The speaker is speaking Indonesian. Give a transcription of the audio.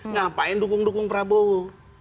ngapain dukung dukung prabowo